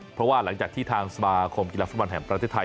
เพราะว่าหลังจากที่ทางสมาคมกีฬาฟุตบอลแห่งประเทศไทย